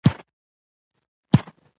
او د اووه بجو شا او خوا خودکشي وکړه.